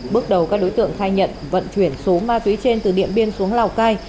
bước đầu các đối tượng khai nhận vận chuyển số ma túy trên từ điện biên xuống lào cai